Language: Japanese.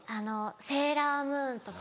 『セーラームーン』とか。